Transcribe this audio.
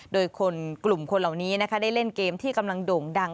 โดยคนกลุ่มคนเหล่านี้นะคะได้เล่นเกมที่กำลังโด่งดัง